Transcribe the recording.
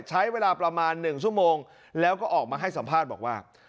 ใช้เวลาประมาณ๑ชั่วโมงแล้วก็ออกมาให้สัมภาษณ์บอกว่า